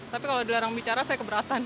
tapi kalau dilarang bicara saya keberatan